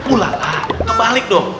ulalah kebalik dong